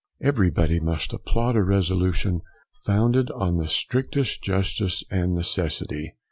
Everybody must applaud a resolution founded on the strictest justice and necessity.